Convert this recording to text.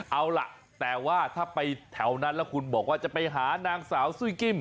เอาล่ะแต่ว่าถ้าไปแถวนั้นแล้วคุณบอกว่าจะไปหานางสาวซุ้ยกิ้ม